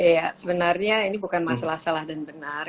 ya sebenarnya ini bukan masalah salah dan benar